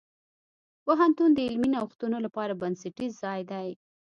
پوهنتون د علمي نوښتونو لپاره بنسټیز ځای دی.